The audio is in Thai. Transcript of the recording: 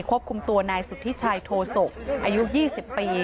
ควบคุมตัวนายสุธิชัยโทศกอายุ๒๐ปี